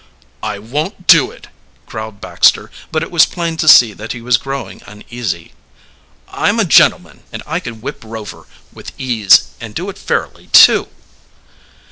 "I won't do it," growled Baxter, but it was plain to see that he was growing uneasy. "I'm a gentleman, and I can whip Rover with ease, and do it fairly, too!"